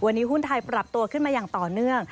วันนี้หุ้นไทยปรับตัวขึ้นมาอย่างต่อเนื่อง